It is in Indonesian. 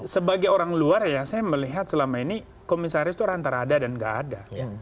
sebagai orang luar ya saya melihat selama ini komisaris itu antara ada dan gak ada